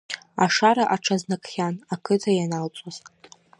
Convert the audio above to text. Ашара аҽазнакхьан, ақыҭа ианалҵуаз.